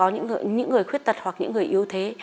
những người khuyết tật hoặc những người yếu thế